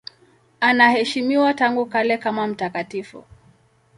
Anaheshimiwa tangu kale kama mtakatifu.